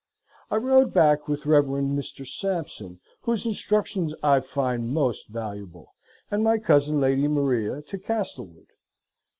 I rode back with Rev. Mr. Sampson, whose instruction I find most valluble, and my cousin, Lady Maria, to Castlewood.